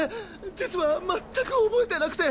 実は全く覚えてなくて。